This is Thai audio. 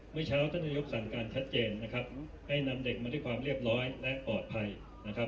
เมื่อเช้าท่านนายกสั่งการชัดเจนนะครับให้นำเด็กมาด้วยความเรียบร้อยและปลอดภัยนะครับ